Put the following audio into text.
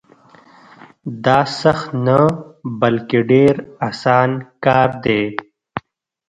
دا سخت نه بلکې ډېر اسان کار دی.